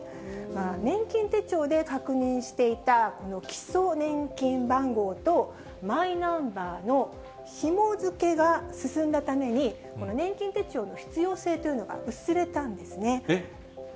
年金手帳で確認していたこの基礎年金番号と、マイナンバーのひも付けが進んだために、この年金手帳の必要性というのが薄れたんですね。